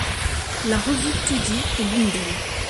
La revue Toudi est l’une d’elles.